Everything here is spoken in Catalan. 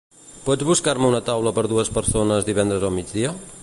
Pots buscar-me una taula per dues persones divendres al migdia?